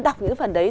đọc những phần đấy